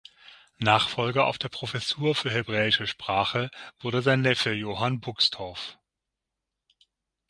Nachfolger auf der Professur für hebräische Sprache wurde sein Neffe Johann Buxtorf.